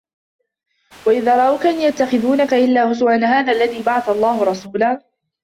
وَإِذا رَأَوكَ إِن يَتَّخِذونَكَ إِلّا هُزُوًا أَهذَا الَّذي بَعَثَ اللَّهُ رَسولًا